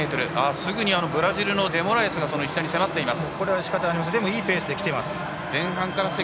すぐにブラジルのデモラエスが石田に迫っている。